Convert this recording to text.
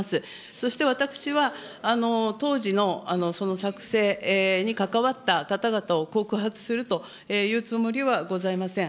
そして私は、当時の作成に関わった方々を告発するというつもりはございません。